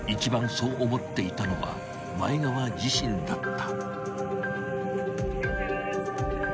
そう思っていたのは前川自身だった］